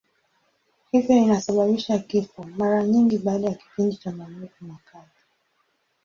Hivyo inasababisha kifo, mara nyingi baada ya kipindi cha maumivu makali.